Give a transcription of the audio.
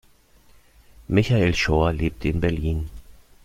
Michael Schorr lebt in Berlin.